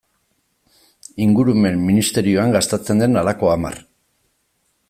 Ingurumen ministerioan gastatzen den halako hamar.